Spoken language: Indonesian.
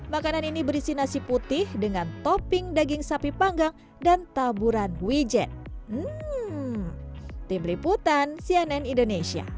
makanan ini berisi nasi putih dengan topping daging sapi panggang dan taburan wijen